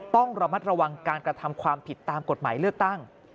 ต้องระมัดระวังการกระทำความผิดตามกฎหมายเลือกตั้ง